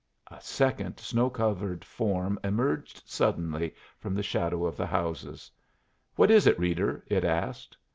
A second snow covered form emerged suddenly from the shadow of the houses. "What is it, Reeder?" it asked.